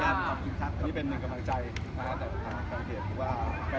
อันนี้เป็นกำลังใจหรือว่าแบบบอทที่ติดตาม